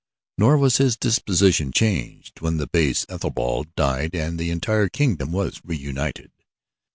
Nor was his disposition changed when the base Ethelbald died and the entire kingdom was reunited.